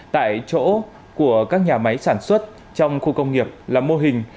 tại chỗ của các nhà máy sản xuất trong khu công nghiệp là mô hình